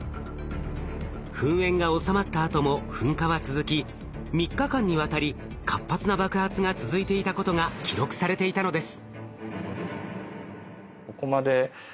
噴煙が収まったあとも噴火は続き３日間にわたり活発な爆発が続いていたことが記録されていたのです。